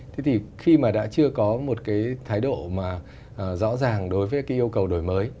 thế thì khi mà đã chưa có một cái thái độ mà rõ ràng đối với cái yêu cầu đổi mới